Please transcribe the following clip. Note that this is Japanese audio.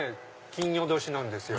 金魚年なんですよ。